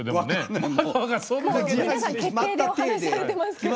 もう皆さん決定でお話しされてますけど。